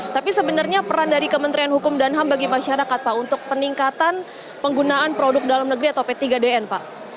tapi sebenarnya peran dari kementerian hukum dan ham bagi masyarakat pak untuk peningkatan penggunaan produk dalam negeri atau p tiga dn pak